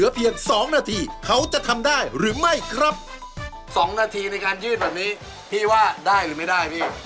คิดว่าสองนาทีอาจจะยากเกินไปไม่ได้